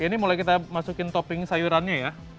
ini mulai kita masukin topping sayurannya ya